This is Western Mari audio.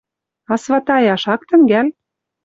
А сватаяш ак тӹнгӓл?..»